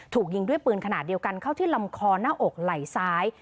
ถูกยิงด้วยปืนขนาดเดียวกันเข้าที่ลำคอหน้าอกไหล่ซ้าย